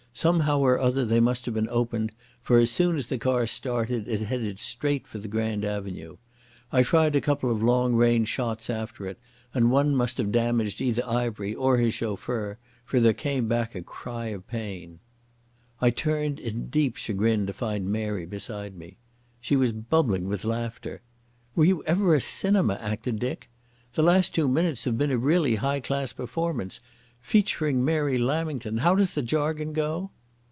Somehow or other they must have been opened, for as soon as the car started it headed straight for the grand avenue. I tried a couple of long range shots after it, and one must have damaged either Ivery or his chauffeur, for there came back a cry of pain. I turned in deep chagrin to find Mary beside me. She was bubbling with laughter. "Were you ever a cinema actor, Dick? The last two minutes have been a really high class performance. 'Featuring Mary Lamington.' How does the jargon go?"